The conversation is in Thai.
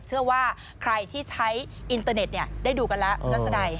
เชื่อว่าใครที่ใช้อินเตอร์เน็ตได้ดูกันแล้วคุณทัศนัย